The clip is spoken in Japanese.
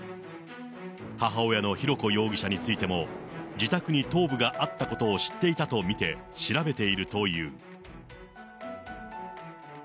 母親の浩子容疑者についても、自宅に頭部があったことを知っていたと見て調べているという。